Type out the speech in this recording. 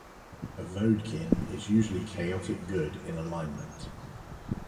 A voadkyn is usually chaotic good in alignment.